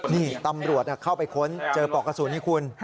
นี่ตำรวจเข้าไปค้นเจอปอกกระสุนนี่คุณ